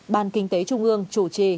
ban kinh tế trung ương chủ trì